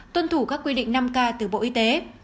tuân thủ các quy định năm k từ bộ y tế